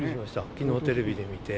きのうテレビで見て。